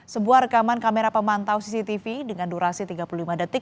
sebuah rekaman kamera pemantau cctv dengan durasi tiga puluh lima detik